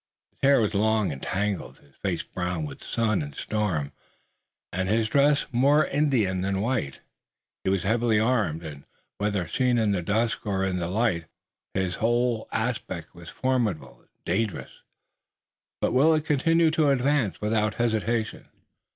His hair was long and tangled, his face brown with sun and storm, and his dress more Indian than white. He was heavily armed, and, whether seen in the dusk or in the light, his whole aspect was formidable and dangerous. But Willet continued to advance without hesitation.